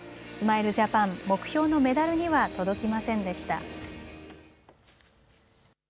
スマイルジャパン、目標のメダルには届きませんでした。